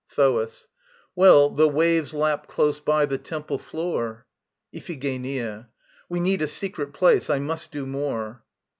THOAS. Well, the waves lap close by the temple floor. IPHIGENIA. We need a secret place. I must do more.